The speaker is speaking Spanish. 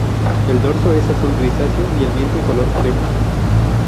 El dorso es azul grisáceo y el vientre color crema.